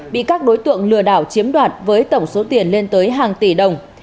bị các đối tượng lừa đảo chiếm đoạt với tổng số tiền lên tới hàng tỷ đồng